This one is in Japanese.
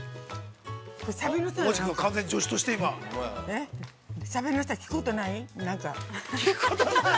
しゃべりなさい、聞くことない？